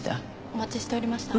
お待ちしておりました。